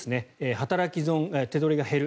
働き損、手取りが減る。